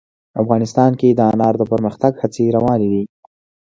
افغانستان کې د انار د پرمختګ هڅې روانې دي.